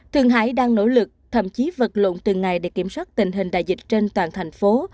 thường hải đang nỗ lực thậm chí vật lộn từng ngày để kiểm soát tình hình đại dịch trên toàn thành phố